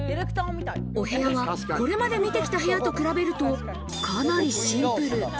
お部屋は、これまで見てきた部屋と比べると、かなりシンプル。